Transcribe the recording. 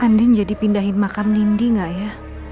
andien jadi pindahin makan nindy gak ya